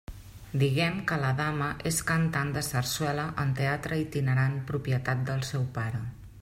Diguem que la dama és cantant de sarsuela en teatre itinerant propietat del seu pare.